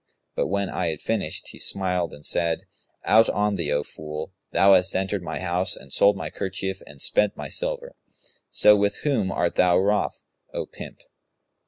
But, when I had finished, he smiled and said, 'Out on thee, O fool! Thou hast entered my house and sold my kerchief and spent my silver: so, with whom art thou wroth, O pimp?'